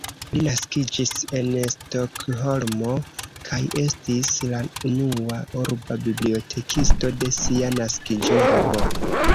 Li naskiĝis en Stokholmo kaj estis la unua urba bibliotekisto de sia naskiĝurbo.